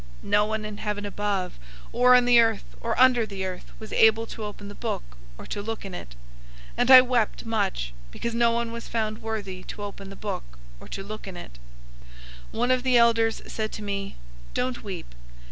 005:003 No one in heaven above, or on the earth, or under the earth, was able to open the book, or to look in it. 005:004 And I wept much, because no one was found worthy to open the book, or to look in it. 005:005 One of the elders said to me, "Don't weep.